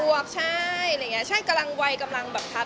โดยเฉพาะคุณสายฟ้า